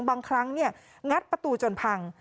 บางครั้งงัดประตูจนพัง